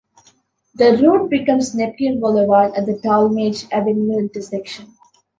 The route becomes Neptune Boulevard at the Talmadge Avenue intersection.